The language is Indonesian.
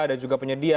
dan juga penyedia